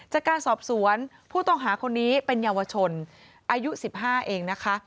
จากการสอบสวนผู้ต้องหาคนนี้เป็นเยาวชนอายุ๑๕เองนะคะ